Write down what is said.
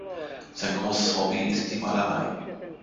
Sein großes Hobby ist die Malerei.